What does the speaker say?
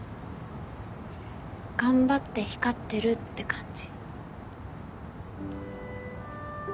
頑張って光ってるって感じ。